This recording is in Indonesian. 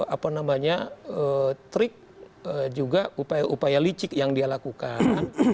apa namanya trik juga upaya upaya licik yang dia lakukan